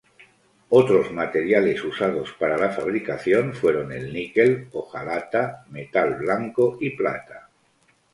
Otros materiales usados para la fabricación fueron el Nickel, Hojalata, metal blanco y plata.